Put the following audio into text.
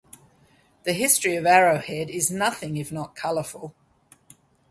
The history of Arrowhead is nothing if not colorful.